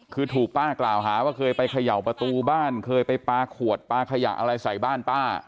คือถูกป้ากล่าวหาว่าเคยไปเขย่าประตูบ้านเคยไปปลาขวดปลาขยะอะไรใส่บ้านป้า